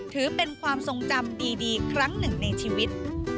ถือเป็นความทรงจำดีครั้งหนึ่งในชีวิต